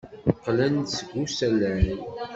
Qqlen-d seg usalay.